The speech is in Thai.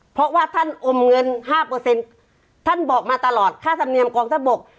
เพราะว่าท่านอมเงินห้าเปอร์เซ็นต์ท่านบอกมาตลอดค่าธรรมเนียมกองทัพบก